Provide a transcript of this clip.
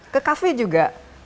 ke cafe juga